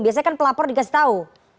biasanya kan pelapor dikasih tahu